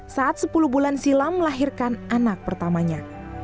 saat sepuluh bulan silam melahirkan anak pertamanya